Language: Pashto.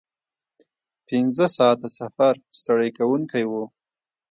پنځه ساعته سفر ستړی کوونکی و.